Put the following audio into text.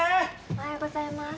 おはようございます。